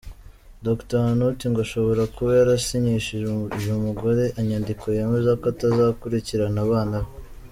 Dr Hanouti ngo ashobora kuba yarasinyishije uyu mugore inyandiko yemeza ko atazakurikirana abana be.